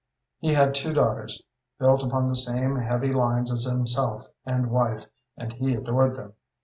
He had two daughters, built upon the same heavy lines as himself and wife, and he adored them.